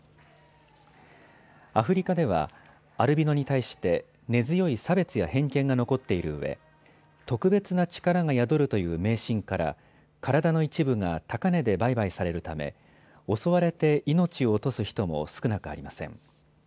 アフリカではアルビノに対して根強い差別や偏見が残っているうえ特別な力が宿るという迷信から体の一部が高値で売買されるため襲われて命を落とす人も少なくありません。